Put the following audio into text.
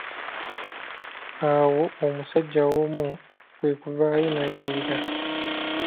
Awo omusajja omu kwekuvaayo n'ayimirira.